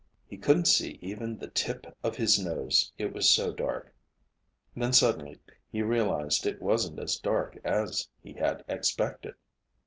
He couldn't see even the tip of his nose it was so dark. Then suddenly he realized it wasn't as dark as he had expected!